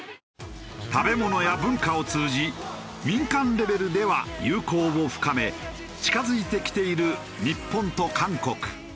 食べ物や文化を通じ民間レベルでは友好を深め近付いてきている日本と韓国。